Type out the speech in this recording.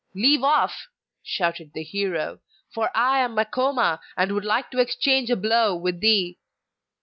'Leave off!' shouted the hero, 'for I am Makoma, and would like to exchange a blow with thee!